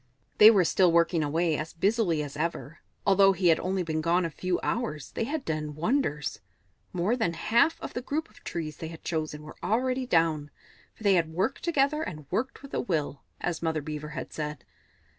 They were still working away, as busily as ever. Although he had only been gone a few hours, they had done wonders; more than half of the group of trees they had chosen were already down, for they had "worked together, and worked with a will," as Mother Beaver had said.